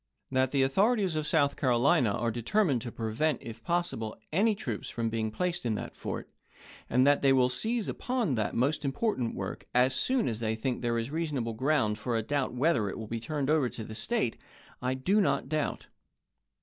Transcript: That the authorities of South Carolina are determined to prevent, if possible, any troops from being placed in that fort, and that they will seize upon that most important work, as soon as they think there is reasonable ground for a doubt whether it will be turned over to the State, I do not doubt.